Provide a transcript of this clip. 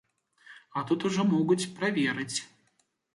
А тут ужо могуць праверыць.